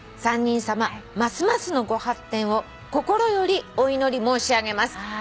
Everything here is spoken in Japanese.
「３人さまますますのご発展を心よりお祈り申し上げます」